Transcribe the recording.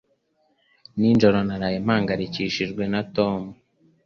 Nijoro naraye mpangayikishijwe na Tom.